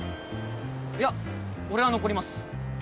いや俺は残ります。